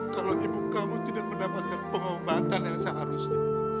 kalau ibu kamu tidak mendapatkan pengobatan yang seharusnya